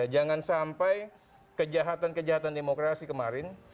jangan sampai kejahatan kejahatan demokrasi kemarin